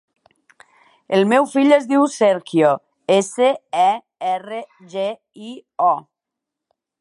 El meu fill es diu Sergio: essa, e, erra, ge, i, o.